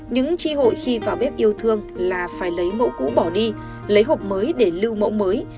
những tri hội khi vào bếp yêu thương là phải lấy mẫu cũ bỏ đi lấy hộp mới để lưu mẫu mới